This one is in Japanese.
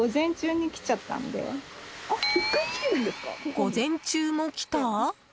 午前中も来た？